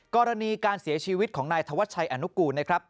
กรณีการเสียชีวิตของนายธวัชชัยอนุกูลนะครับ